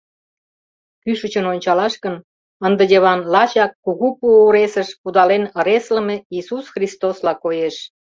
Кӱшычын ончалаш гын, ынде Йыван лачак кугу пу ыресыш пудален ыреслыме Иисус Христосла коеш.